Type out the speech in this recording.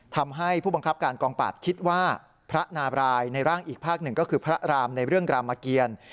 ทำให้ผู้บังคับการกองปราบคิดว่าพระนาบรายในร่างอีกภาคหนึ่งก็คือพระรามในเรื่องรามเกียร